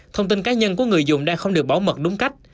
thông tin cá nhân của người dùng đang không được bảo mật đúng cách